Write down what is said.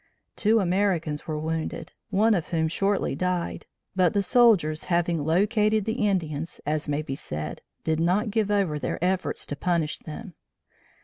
Two Americans were wounded, one of whom shortly died; but the soldiers having "located" the Indians, as may be said, did not give over their efforts to punish them.